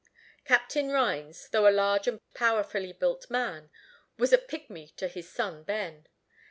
Captain Rhines, though a large and powerfully built man, was a pygmy to his son Ben.